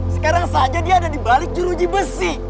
sekarang saja dia ada di balik jeruji besi